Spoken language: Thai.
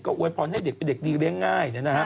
อวยพรให้เด็กเป็นเด็กดีเลี้ยงง่าย